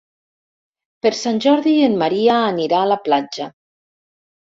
Per Sant Jordi en Maria anirà a la platja.